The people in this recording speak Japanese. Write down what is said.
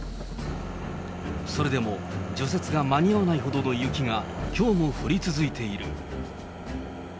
それでも、除雪が間に合わないほどの雪がきょうも降り続いている。